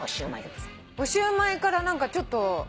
おシュウマイから何かちょっと。